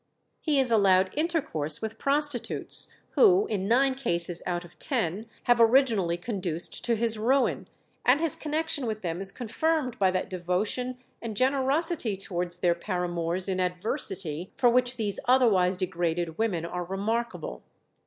He is allowed intercourse with prostitutes who, in nine cases out of ten, have originally conduced to his ruin; and his connection with them is confirmed by that devotion and generosity towards their paramours in adversity for which these otherwise degraded women are remarkable.